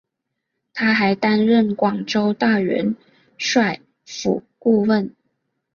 他还担任广州大元帅府顾问。